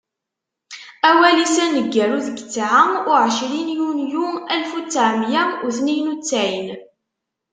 Awal-is aneggaru deg ttɛa u ɛcrin Yunyu alef u ttɛemya u tniyen u ttɛin.